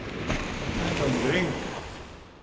But I don't drink.